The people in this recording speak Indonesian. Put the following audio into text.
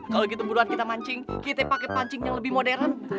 kalau gitu buruan kita mancing kita pakai pancing yang lebih modern